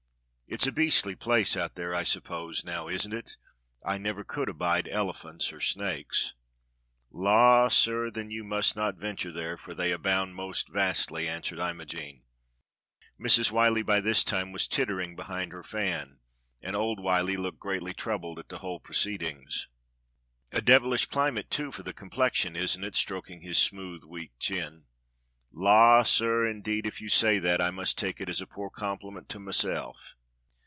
It's a beastly place out there, I suppose, now isn't it.f^ I never could abide elephants or snakes !" "La, sir, then you must not venture there, for they abound most vastly," answered Imogene. Mrs. Whyl lie by this time was tittering behind her fan, and old Whyllie looked greatly troubled at the whole proceed ings. 270 SCYLLA OR CHARYBDIS 271 "A devilish climate, too, for the complexion, isn't it? " stroking his smooth, weak chin. "La, sir, indeed if you say that, I must take it as a poor compliment to myself."